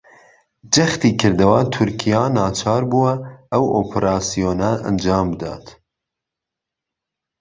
جەختیکردەوە تورکیا ناچار بووە ئەو ئۆپەراسیۆنە ئەنجامبدات